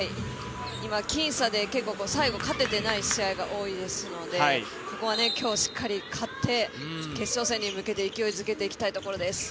僅差で結構、最後に勝ててない試合が多いですのでここは今日、しっかり勝って決勝戦に向けて勢いづけていきたいところです。